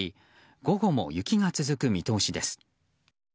午後も雪が続く見通しです。